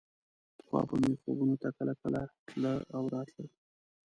پخوا به مې خوبونو ته کله کله تله او راتله.